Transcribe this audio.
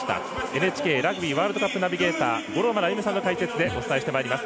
ＮＨＫラグビーワールドカップナビゲーター五郎丸歩さんの解説でお楽しみいただきます。